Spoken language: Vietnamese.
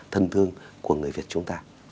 thân thương của người việt chúng ta